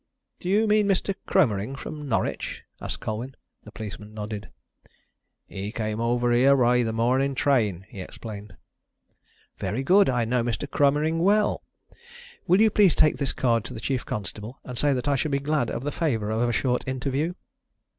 "Do you mean Mr. Cromering, from Norwich?" asked Colwyn. The policeman nodded. "He came over here by the morning train," he explained. "Very good. I know Mr. Cromering well. Will you please take this card to the chief constable and say that I should be glad of the favour of a short interview?